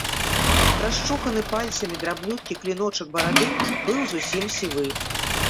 Расчуханы пальцамі драбнюткі кліночак барады быў зусім сівы.